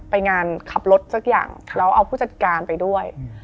ไปงานขับรถสักอย่างแล้วเอาผู้จัดการไปด้วย